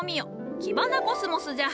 キバナコスモスじゃ。